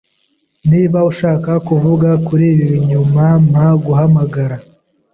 Niba ushaka kuvuga kuri ibi nyuma, mpa guhamagara.